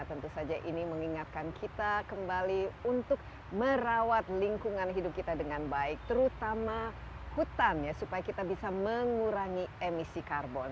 tentu saja ini mengingatkan kita kembali untuk merawat lingkungan hidup kita dengan baik terutama hutan ya supaya kita bisa mengurangi emisi karbon